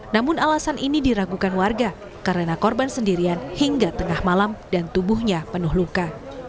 namun alasan ini diragukan warga karena korban sendirian hingga tengah malam dan tubuhnya penuh luka